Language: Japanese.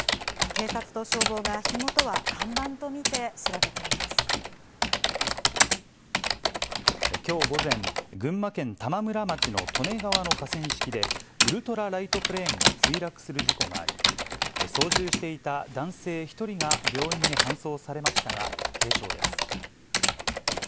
警察と消防が、火元は看板と見てきょう午前、群馬県玉村町の利根川の河川敷で、ウルトラライトプレーンが墜落する事故があり、操縦していた男性１人が病院に搬送されましたが、軽傷です。